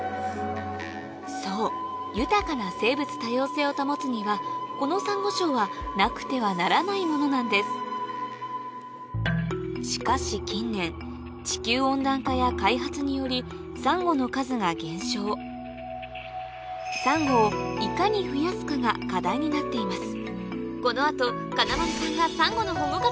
そう豊かな生物多様性を保つにはこのサンゴ礁はなくてはならないものなんですしかし近年地球温暖化や開発によりサンゴの数が減少サンゴをいかに増やすかが課題になっています